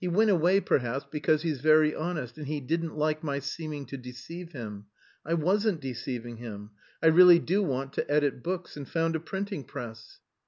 He went away perhaps because he's very honest and he didn't like my seeming to deceive him. I wasn't deceiving him, I really do want to edit books and found a printing press...."